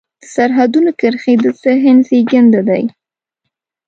د سرحدونو کرښې د ذهن زېږنده دي.